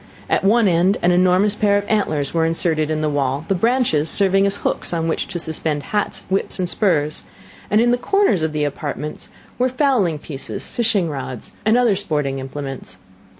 At one end an enormous pair of antlers were inserted in the wall, the branches serving as hooks on which to suspend hats, whips, and spurs; and in the corners of the apartment were fowling pieces, fishing rods, and other sporting implements.